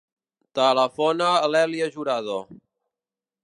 Telefona a l'Èlia Jurado.